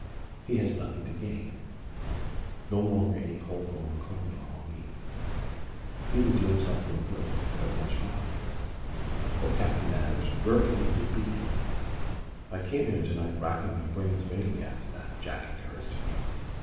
He has nothing to gain no longer any hold over Claremanagh or me. He would do himself no good, but much harm. Oh, Captain Manners, where can the Duke be?" "I came here to night racking my brains vainly as to that," Jack encouraged her.